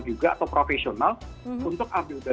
juga atau profesional untuk